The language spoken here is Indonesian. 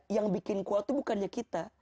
yang membuat kuat itu bukan kita